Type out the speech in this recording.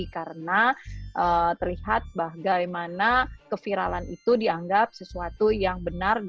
karena terlihat bagaimana keviral itu dianggap sesuatu yang benar